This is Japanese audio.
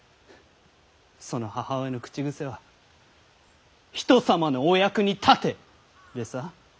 その母親の口癖は「人様のお役に立て」でさ。